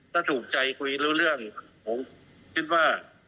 ถ้าถูกใจคุยรู้เรื่องผมคิดว่า